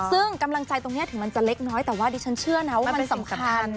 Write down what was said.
ซึ่งกำลังใจตรงนี้ถึงมันจะเล็กน้อยแต่ว่าดิฉันเชื่อนะว่ามันสำคัญ